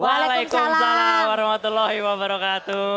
mau salam lagi ya